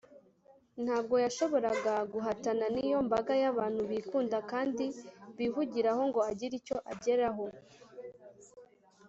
. Ntabwo yashoboraga guhatana n’iyo mbaga y’abantu bikunda kandi bihugiraho ngo agire icyo ageraho